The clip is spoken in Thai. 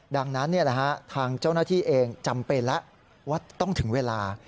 ดังนั้นทางเจ้าหน้าที่เองจำเป็นแล้วว่าต้องถึงเวลา